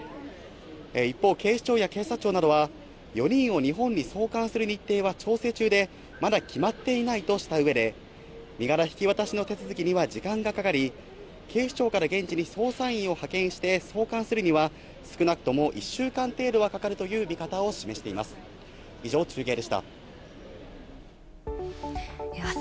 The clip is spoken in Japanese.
一方、警視庁や警察庁などは、４人を日本に送還する日程は調整中で、まだ決まっていないとしたうえで、身柄引き渡しの手続きには時間がかかり、警視庁から現地に捜査員を派遣して送還するには、少なくとも１週間程度はかかるという見方を示しています。